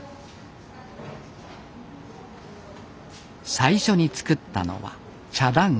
最初に作ったのは茶団子。